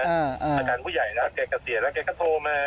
อาจารย์ผู้ใหญ่น่ะแกก็เสียแล้วแกก็โทรมา